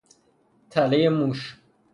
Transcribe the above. تلهٔ موش